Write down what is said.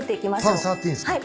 パン触っていいんですか？